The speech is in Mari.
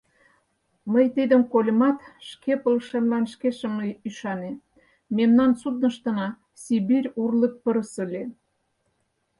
Мый, тидым кольымат, шке пылышемлан шке шым ӱшане: мемнан судныштына сибирь урлык пырыс ыле.